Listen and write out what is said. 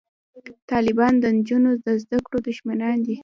طالبان د نجونو د زده کړو دښمنان دي